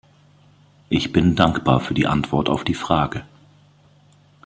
Ich bin dankbar für die Antwort auf die Frage.